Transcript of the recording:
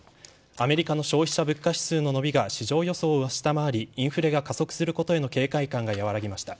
アメリカの消費者物価指数の伸びが市場予想を下回りインフレが加速することへの警戒感が和らぎました。